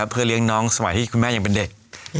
เพื่อเลี้ยงน้องที่หมายังเป็นเด็ก